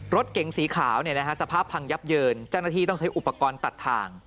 รถเก๋งสีขาวสภาพพังยับเยินเจ้าหน้าที่ต้องใช้อุปกรณ์ตัดทาง